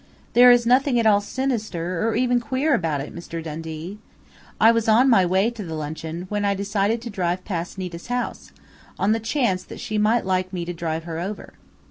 "There is nothing at all sinister or even queer about it, Mr. Dundee! I was on my way to the luncheon, when I decided to drive past Nita's house, on the chance that she might like me to drive her over."